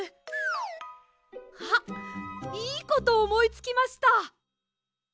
あっいいことおもいつきました！